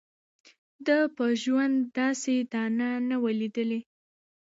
ده په ژوند داسي دانه نه وه لیدلې